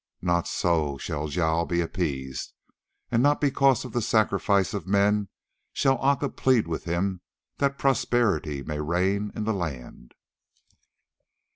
Not so shall Jâl be appeased, and not because of the sacrifice of men shall Aca plead with him that prosperity may reign in the land.